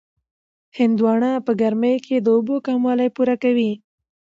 هندواڼه په ګرمۍ کې د اوبو کموالی پوره کوي.